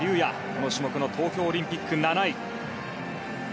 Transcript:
この種目の東京オリンピック７位。